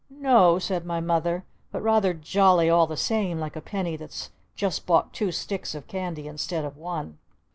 "N o," said my Mother. "But rather jolly all the same like a penny that's just bought two sticks of candy instead of one!"